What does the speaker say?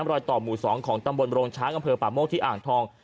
รอยต่อหมู่๒ของตำบลโรงช้างอำเภอป่าโมกที่อ่างทอง